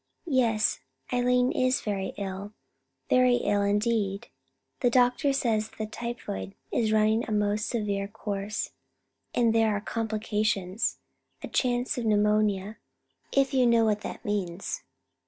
Yes, Eileen is very ill, very ill indeed. The doctor says that the typhoid is running a most severe course, and there are complications, a chance of pneumonia, if you know what that means.